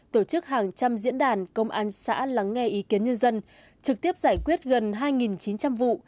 tổ chức hàng trăm diễn đàn công an xã lắng nghe ý kiến nhân dân trực tiếp giải quyết gần hai chín trăm linh vụ